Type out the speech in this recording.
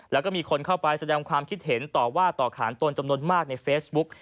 แล้วก็มีคนเข้าไปแสดงความคิดเห็นต่อว่าต่อขานตนจำนวนมากในเฟซบุ๊ก